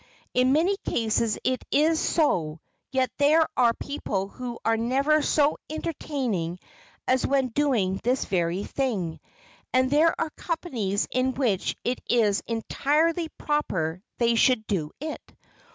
In many cases it is so, yet there are people who are never so entertaining as when doing this very thing, and there are companies in which it is entirely proper they should do it.